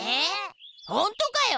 ほんとかよ！